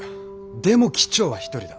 でも機長は１人だ。